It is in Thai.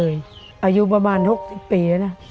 อนุประมาณ๖๐ปี